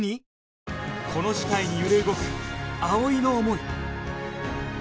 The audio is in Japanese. この事態に揺れ動く葵の思い